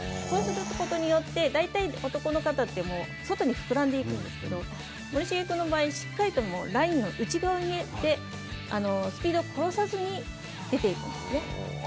そうすることによって大体男の方って外に膨らんでいくんですけど森重君の場合しっかりとラインの内側でスピードを殺さずに出ていくんですね。